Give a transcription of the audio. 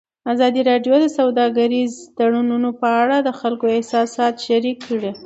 ازادي راډیو د سوداګریز تړونونه په اړه د خلکو احساسات شریک کړي.